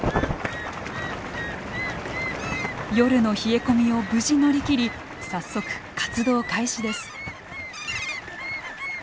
夜の冷え込みを無事乗り切り早速活動開始です。